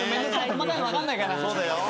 細かいの分かんないから。